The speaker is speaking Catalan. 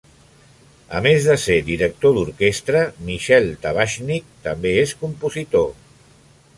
A més de ser director d'orquestra, Michel Tabachnik també és compositor.